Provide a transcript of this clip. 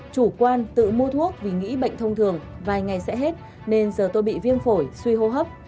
chủ quan tự mua thuốc vì nghĩ bệnh thông thường vài ngày sẽ hết nên giờ tôi bị viêm phổi suy hô hấp